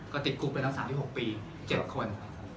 ก็ติดกรุ๊ปไปตั้งแต่๓๖ปี๗คน